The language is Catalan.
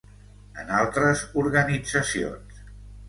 En altres organitzacions.